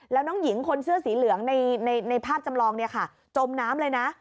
แล้วน้องหญิงคนเสื้อสีเหลืองในภาพจำลองเนี่ยค่ะจมน้ำเลยนะ